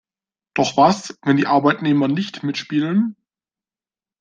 Doch was, wenn die Arbeitnehmer nicht mitspielen?